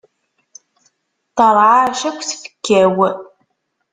Terɛaɛec akk tfekka-w.